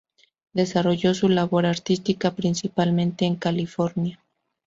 Desarrolló su labor artística principalmente en California.